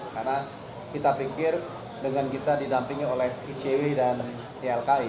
karena kita pikir dengan kita didampingi oleh icw dan ilki